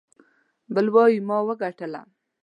بل وايي ما وګاټه.